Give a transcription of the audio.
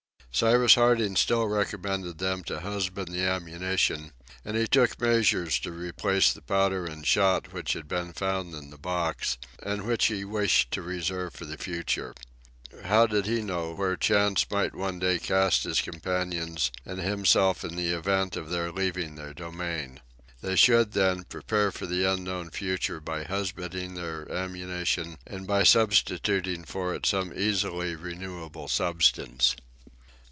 Cyrus Harding still recommended them to husband the ammunition, and he took measures to replace the powder and shot which had been found in the box, and which he wished to reserve for the future. How did he know where chance might one day cast his companions and himself in the event of their leaving their domain? They should, then, prepare for the unknown future by husbanding their ammunition and by substituting for it some easily renewable substance.